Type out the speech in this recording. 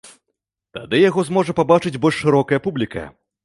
Тады яго зможа пабачыць больш шырокая публіка.